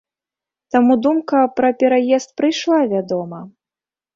Таму думка пра пераезд прыйшла, вядома.